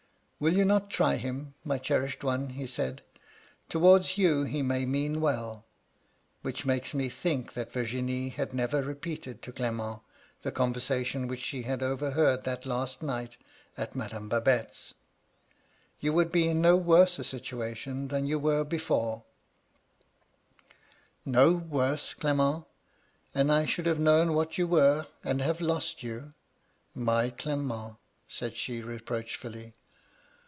"* Will you not try him, my cherished one ?' he said. ' Towards you he may mean well * (which makes me think that Virginie had never repeated to Clement the conversation which she had overheard that last night at Madame Babette's); *you would be in no worse a situation than you were before V 192 KT LADT LUDLOW. 'No Vorae, Clement I and I should have known what you were, and have lost you. My Clement !' said she, reproachfully.